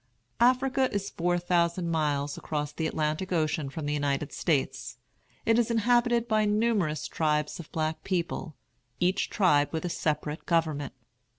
Africa is four thousand miles across the Atlantic Ocean from the United States. It is inhabited by numerous tribes of black people, each tribe with a separate government.